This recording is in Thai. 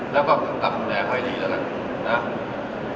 แล้วก็กลับหน่วยแนวควายดีแล้วกัน